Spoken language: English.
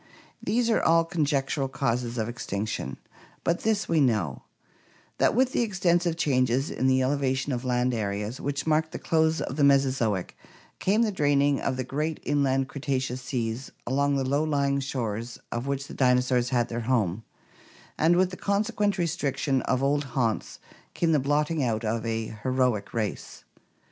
These are all conjectural causes of extinction; but this we know, that with the extensive changes in the elevation of land areas which marked the close of the Mesozoic came the draining of the great inland Cretaceous seas along the low lying shores of which the dinosaurs had their home, and with the consequent restriction of old haunts came the blotting out of a heroic race.